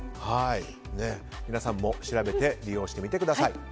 皆さんも調べて利用してみてください。